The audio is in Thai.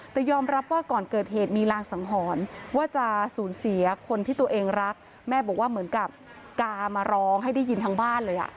แต่ยอมรับว่าก่อนเกิดเหตุมีรางสังหรณ์ว่าจะสูญเสียคนที่ตัวเองรักแม่บอกว่าเหมือนกับกามาร้องให้ได้ยินทั้งบ้านเลย